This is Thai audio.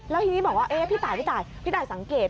แล้วทีนี้บอกว่าพี่ตายพี่ตายสังเกต